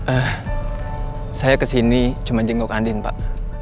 eh saya kesini cuma jenggok andin pak